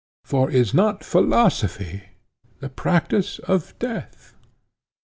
For is not philosophy the practice of death?